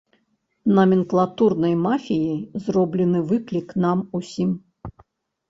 Наменклатурнай мафіяй зроблены выклік нам усім.